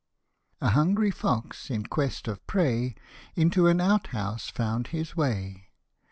A HUNGRY fox, in quest of prey, Into an out house found his way.